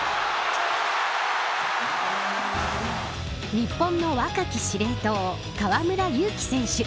日本の若き司令塔河村勇輝選手。